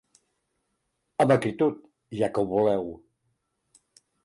Amb acritud, ja que ho voleu.